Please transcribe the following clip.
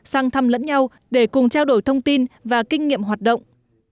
sang thăm lẫn nhau để cùng trao đổi thông tin và kinh nghiệm hoạt động